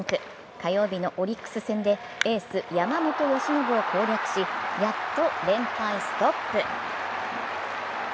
火曜日のオリックス戦でエース・山本由伸を攻略し、やっと連敗ストップ。